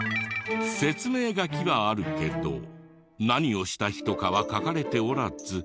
説明書きがあるけど何をした人かは書かれておらず。